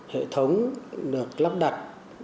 hệ thống được lắp đặt